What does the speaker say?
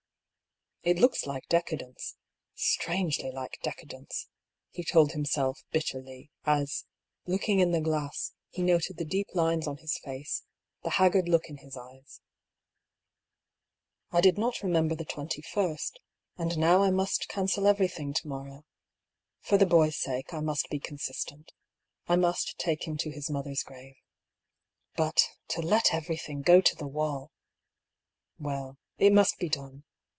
" It looks like decadence — strangely like decadence," he told himself, bitterly, as, looking in the glass, he noted the deep lines on his face, the haggard look in his eyes. " I did not remember the twenty first ; and now I must cancel everything to morrow — for the boy's sake, I must be consistent — I must take him to his mother's grave. But — to let everything go to the wall ! Well, it must be done.